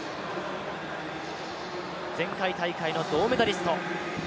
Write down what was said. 前回大会の銅メダリスト。